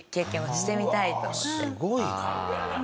すごいな。